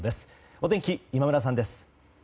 お天気、今村さんです。